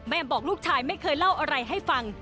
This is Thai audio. บอกลูกชายไม่เคยเล่าอะไรให้ฟัง